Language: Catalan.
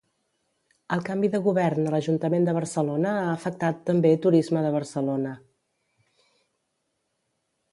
El canvi de govern a l'Ajuntament de Barcelona ha afectat també Turisme de Barcelona.